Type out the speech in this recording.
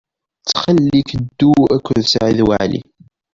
Ttxil-k, ddu akked Saɛid Waɛli.